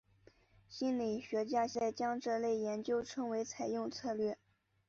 心理学家现在将这类研究称为采用策略。